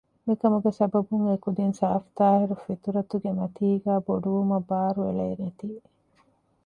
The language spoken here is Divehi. މިކަމުގެ ސަބަބުން އެ ކުދިން ސާފު ޠާހިރު ފިޠުރަތުގެ މަތީގައި ބޮޑުވުމަށް ބާރުއެޅޭނެތީ